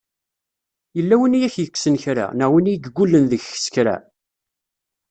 Yella win i ak-yekksen kra! Neɣ win i yeggulen deg-k s kra?